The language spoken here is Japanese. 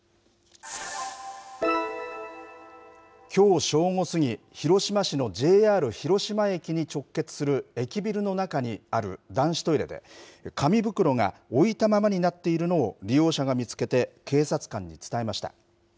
きょう正午過ぎ、広島市のＪＲ広島駅に直結する駅ビルの中にある男子トイレで、紙袋が置いたままになっているのを利用者が見つけて警察官に伝えました。